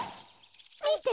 みて！